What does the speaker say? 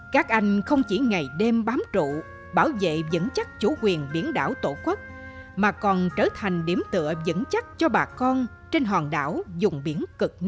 các anh không chỉ ngày đêm bám trụ bảo vệ vững chắc chủ quyền biển đảo tổ quốc mà còn trở thành điểm tựa dẫn chắc cho bà con trên hòn đảo dùng biển cực nam